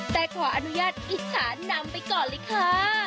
แต่ขออนุญาตอิจฉานำไปก่อนเลยค่ะ